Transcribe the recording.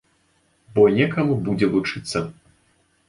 Бо некаму будзе вучыцца.